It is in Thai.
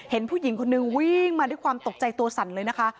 เห็นผู้หญิงคนนึงวิ่งมาด้วยความตกใจตัวสั่นเลยนะคะ